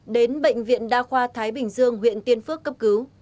đến bệnh viện đa khoa thái bình dương huyện tiên phước cấp cứu